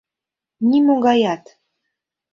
Нимогаят.